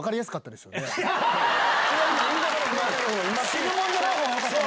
汁物じゃない方がよかった。